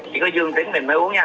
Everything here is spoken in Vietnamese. chỉ có dương tính mình mới uống nha